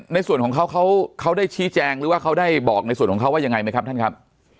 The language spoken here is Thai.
ในส่วนของเขาเขาได้ชี้แจงหรือว่าเขาได้บอกในส่วนของเขาว่ายังไงไหมครับท่านครับ